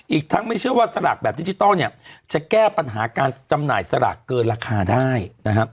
อีกทั้งไม่เชื่อว่าสลากแบบดิจิทัลเนี่ยจะแก้ปัญหาการจำหน่ายสลากเกินราคาได้นะครับ